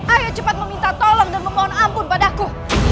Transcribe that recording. ayo cepat meminta tolong dan memohon ampun padaku